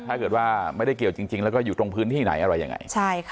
ถ้าเกิดว่าไม่ได้เกี่ยวจริงแล้วก็อยู่ตรงพื้นที่ไหนอะไรยังไง